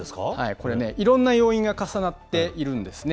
これね、いろんな要因が重なっているんですね。